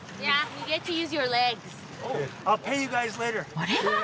あれ？